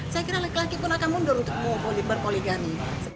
saya kira laki laki pun akan mundur untuk berpoligami